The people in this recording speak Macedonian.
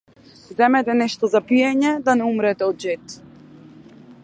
Земете нешто за пиење да не умрете од жед.